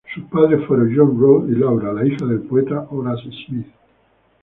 Sus padres fueron John Round y Laura, la hija del poeta Horace Smith.